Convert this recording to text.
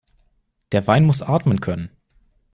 Der Wein muss atmen können.